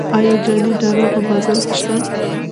آیا جعلي ډالر په بازار کې شته؟